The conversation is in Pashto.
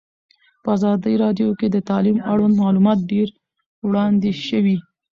په ازادي راډیو کې د تعلیم اړوند معلومات ډېر وړاندې شوي.